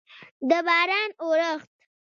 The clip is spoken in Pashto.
د باران اورښت